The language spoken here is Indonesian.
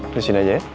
terusin aja ya